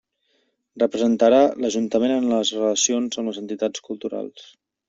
Representarà l'ajuntament en les relacions amb les entitats culturals.